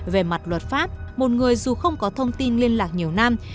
về mặt luật pháp một người dù không có thông tin liên lạc nhiều năm